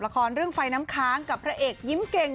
ละครเรื่องไฟน้ำค้างกับพระเอกยิ้มเก่ง